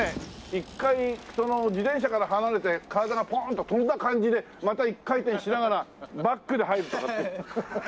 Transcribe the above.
１回その自転車から離れて体がポーンと跳んだ感じでまた１回転しながらバックで入るとかって。